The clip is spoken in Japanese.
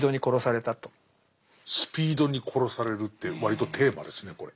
スピードに殺されるって割とテーマですねこれ。